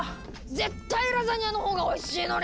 絶対ラザニアの方がおいしいのに！